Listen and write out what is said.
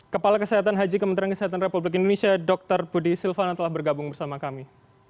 kepala kesehatan haji kementerian kesehatan republik indonesia dr budi silvana telah bergabung bersama kami